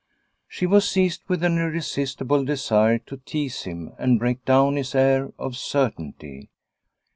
She was seized with an irresistible desire to tease him and break down his air of certainty.